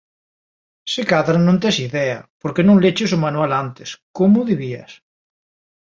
Se cadra non tes idea porque non leches o manual antes, como debías